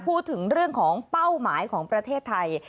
พูดถึงเรื่องของเป้าหมายของประเทศไทย